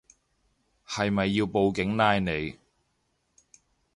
係咪要報警拉你